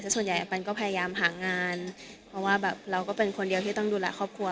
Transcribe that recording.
ส่วนใหญ่ปันก็พยายามหางานเพราะว่าแบบเราก็เป็นคนเดียวที่ต้องดูแลครอบครัว